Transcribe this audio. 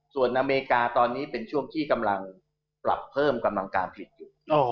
ส่วนอเมริกาตอนนี้เป็นช่วงที่กำลังปรับเพิ่มกำลังการผลิตอยู่